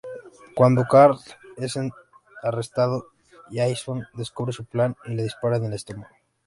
Cuando Carl es arrestado Jason descubre su plan y le dispara en el estómago.